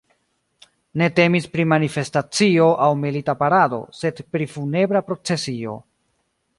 Ne temis pri manifestacio aŭ milita parado, sed pri funebra procesio.